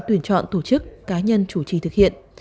tuyển chọn tổ chức cá nhân chủ trì thực hiện